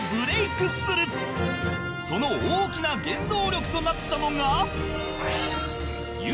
その大きな原動力となったのが